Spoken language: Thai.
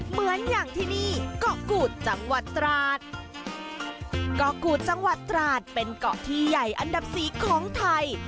เหมือนอย่างที่นี่เกาะกูดจังหวัดตราดเกาะกูดจังหวัดตราดเป็นเกาะที่ใหญ่อันดับสี่ของไทย